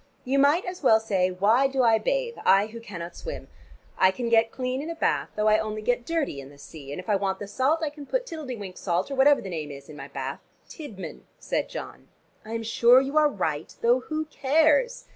You might as well say, why do I bathe, I who cannot swim? I can get clean in a bath, though I only get dirty in the sea, and if I want the salt I can put Tiddle de wink salt or whatever the name is in my bath " "Tidman," said John. "I am sure you are right, though who cares?